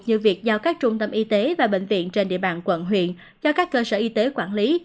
như việc giao các trung tâm y tế và bệnh viện trên địa bàn quận huyện cho các cơ sở y tế quản lý